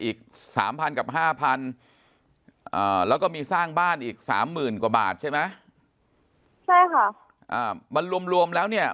อีก๓๐๐๐กับ๕๐๐๐แล้วก็มีสร้างบ้านอีก๓หมื่นกว่าบาทใช่ไหมใช่ค่ะมันรวมแล้วเนี่ย